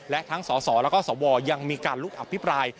และทั้งสสแล้วก็สวยังมีการลุกอภิปราย